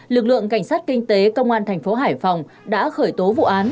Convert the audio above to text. lực lượng cảnh sát kinh tế công an thành phố hải phòng đã khởi tố vụ án